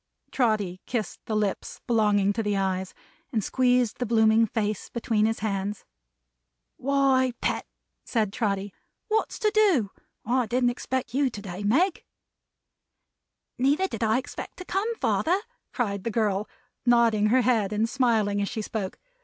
Trotty kissed the lips belonging to the eyes, and squeezed the blooming face between his hands. "Why, Pet," said Trotty. "What's to do? I didn't expect you, to day, Meg." "Neither did I expect to come, father," cried the girl, nodding her head and smiling as she spoke.